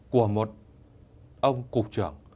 của một ông cục trưởng